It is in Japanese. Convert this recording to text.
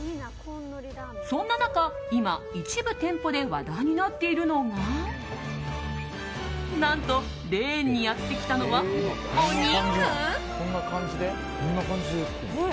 そんな中、今一部店舗で話題になっているのが何と、レーンにやってきたのはお肉？